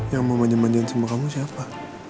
yang mau manja manja sama kamu siapa